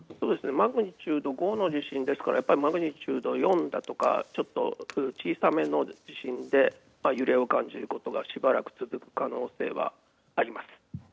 マグニチュード５の地震ですからやっぱりマグニチュード４だとかちょっと、そういう小さめの地震で揺れを感じることがしばらく続く可能性はあります。